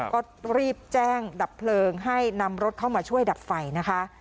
ก็รีบแจ้งดับเพลิงให้นำรถเข้ามาช่วยดับไฟนะคะ